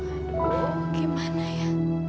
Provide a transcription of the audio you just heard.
aduh gimana ya